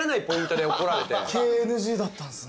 毛ＮＧだったんですね。